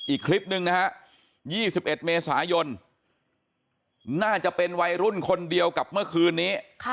อีกคลิปหนึ่งนะฮะ๒๑เมษายนน่าจะเป็นวัยรุ่นคนเดียวกับเมื่อคืนนี้